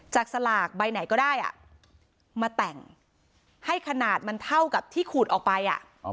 สลากใบไหนก็ได้มาแต่งให้ขนาดมันเท่ากับที่ขูดออกไป